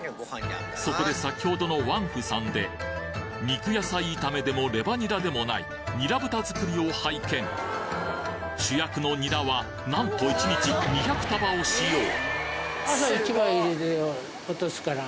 そこで先ほどの王府さんで肉野菜炒めでもレバニラでもない主役のニラはなんと１日２００束を使用！